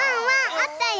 あったよ！